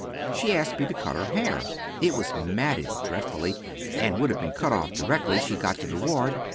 She asked me to cut her hair. It was matted dreadfully, and would have been cut off directly she got to the ward.